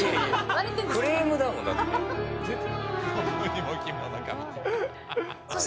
クレームだもん、だって。